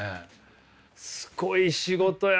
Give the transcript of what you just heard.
すごい仕事やな。